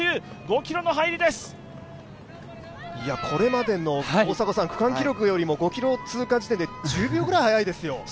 これまでの区間記録よりも５ｋｍ通過地点で１０秒くらい速いですよ。